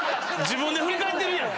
自分で振り返ってるやん